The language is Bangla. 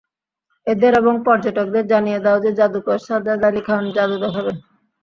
এদের এবং পর্যটকদের জানিয়ে দাও যে, যাদুকর সাজ্জাদ আলী খান যাদু দেখাবে।